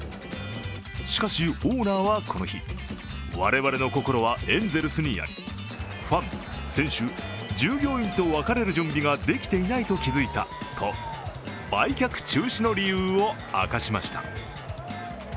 しかし、オーナーはこの日、我々の心はエンゼルスにあるファン、選手、従業員と別れる準備ができていないと気付いたと売却中止の理由を明かしました。